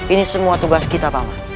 ini semua tugas kita pak